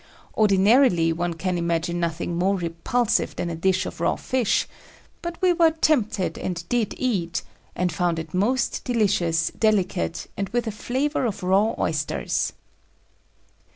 Ordinarily one can imagine nothing more repulsive than a dish of raw fish, but we were tempted and did eat, and found it most delicious, delicate, and with a flavor of raw oysters.